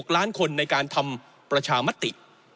ล้านคนในการทำประชามติ